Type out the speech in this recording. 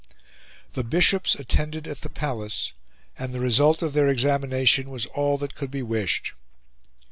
The Bishops attended at the Palace, and the result of their examination was all that could be wished.